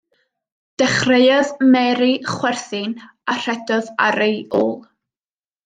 Dechreuodd Mary chwerthin, a rhedodd ar ei ôl.